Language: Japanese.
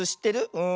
うん。